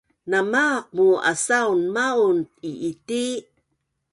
Namaaq muu asaun maun i’iti?